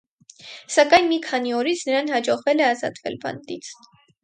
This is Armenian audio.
Սակայն մի քանի օրից նրան հաջողվել է ազատվել բանտից։